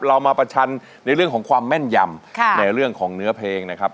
เรามาประชันในเรื่องของความแม่นยำในเรื่องของเนื้อเพลงนะครับ